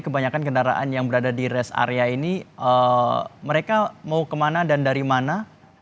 kebanyakan kendaraan yang berada di rest area ini mereka mau kemana dan dari mana